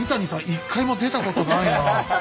一回も出たことないなあ。